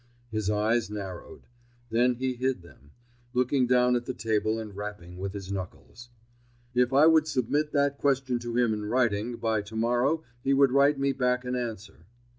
His eyes narrowed; then he hid them, looking down at the table and rapping with his knuckles. If I would submit that question to him in writing, by tomorrow he would write me back an answer.